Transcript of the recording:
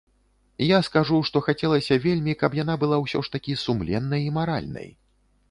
Я скажу, што хацелася вельмі, каб яна была ўсё ж такі сумленнай і маральнай.